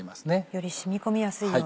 より染み込みやすいように。